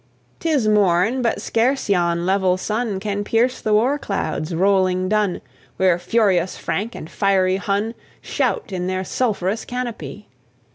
'Tis morn, but scarce yon level sun Can pierce the war clouds, rolling dun, Where furious Frank, and fiery Hun, Shout in their sulphurous canopy.